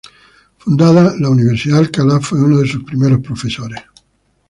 Fundada la Universidad de Alcalá, fue uno de sus primeros profesores.